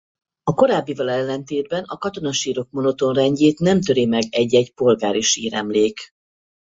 A korábbival ellentétben a katona sírok monoton rendjét nem töri meg egy-egy polgári síremlék.